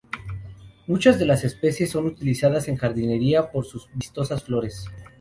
Muchas de las especies son utilizadas en jardinería por sus vistosas flores.